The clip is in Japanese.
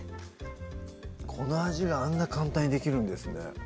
この味があんな簡単にできるんですね